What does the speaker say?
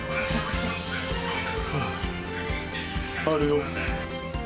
あるよ。